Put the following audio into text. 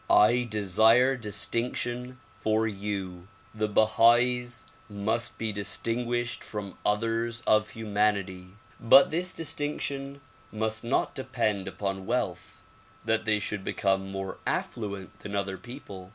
/ desire distinction for you. The Bahais must be distinguished from others of humanity. But this distinction must not depend upon wealth — that they should become more affluent than other people.